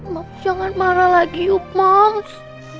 mams jangan marah lagi yuk mams